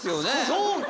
そうか。